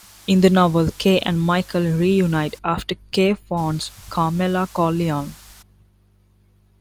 In the novel, Kay and Michael reunite after Kay phones Carmela Corleone.